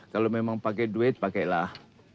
kalau memang pakai duit pakailah